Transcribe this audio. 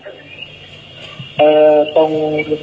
เออตรง